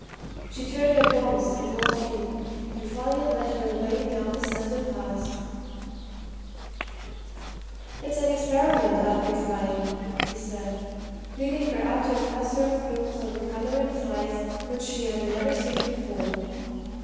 She turned at once and walked in, and Folliot led her away down the scented paths. "It's an experiment I've been trying," he said, leading her up to a cluster of blooms of a colour and size which she had never seen before.